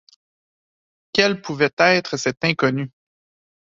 Quel pouvait être cet inconnu?